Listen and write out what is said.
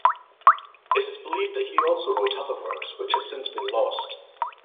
It is believed that he also wrote other works which have since been lost.